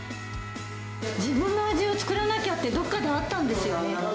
自分の味を作らなきゃって、どっかであったんですよ。